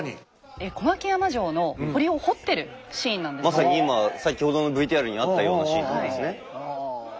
まさに今先ほどのＶＴＲにあったようなシーンとかですね。